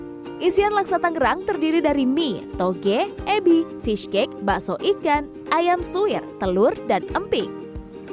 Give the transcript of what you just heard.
dan laksa tanggerang yang terdiri dari laksa tanggerang yang terdiri dari mie toge ebi fishcake bakso ikan ayam suir telur dan laksa tanggerang